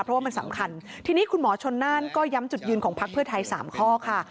เพราะว่ามันสำคัญทีนี้คุณหมอชนน่านก็ย้ำจุดยืนของพักเพื่อไทย๓ข้อค่ะ